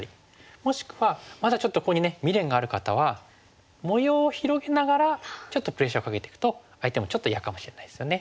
もしくはまだちょっとここに未練がある方は模様を広げながらちょっとプレッシャーをかけていくと相手もちょっと嫌かもしれないですよね。